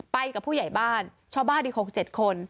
ไปกับผู้ใหญ่บ้านชาวบ้านอีก๖๗คน